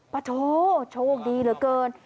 ประโธ่โชคดีเหลือเกิน